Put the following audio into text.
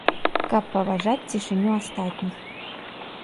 Каб паважаць цішыню астатніх.